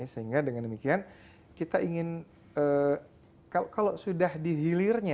sehingga dengan demikian kita ingin kalau sudah dihilirnya